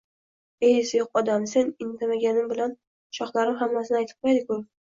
— Ey, esi yo‘q odam, men indamaganim bilan shoxlarim hammasini aytib qo‘yadi-ku!